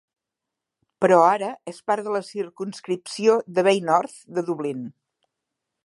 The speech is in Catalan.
Però ara és part de la circumscripció de Bay North de Dublín.